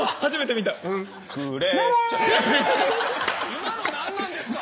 今の何なんですか？